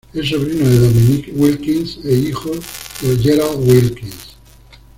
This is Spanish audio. Es sobrino de Dominique Wilkins e hijo de Gerald Wilkins.